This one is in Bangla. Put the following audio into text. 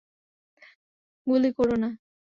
গুলি করো না!